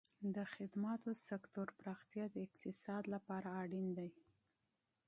د خدماتو سکتور پراختیا د اقتصاد لپاره اړین دی.